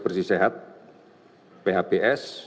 bersih sehat phps